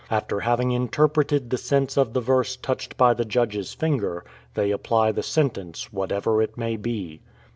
After having interpreted the sense of the verse touched by the judge's finger, they apply the sentence whatever it may be.